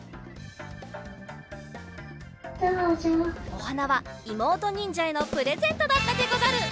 おはなはいもうとにんじゃへのプレゼントだったでござる！